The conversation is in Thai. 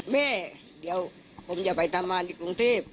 แม่เดี๋ยวผมอยากไปทำงานในกรุงเทพฯ